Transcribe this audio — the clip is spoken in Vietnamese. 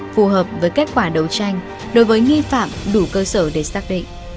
phù hợp với kết quả đấu tranh đối với nghi phạm đủ cơ sở để xác định